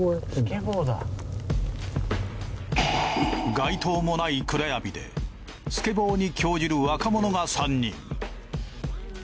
街灯もない暗闇でスケボーに興じる若者が３人。